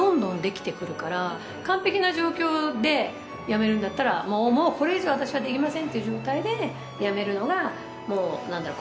完璧な状況で辞めるんだったらもうこれ以上私はできませんっていう状態で辞めるのがもうなんだろう？